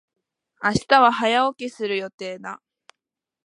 明日は早起きする予定だ。